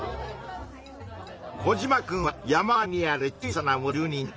コジマくんは山あいにある小さな村の住人だ。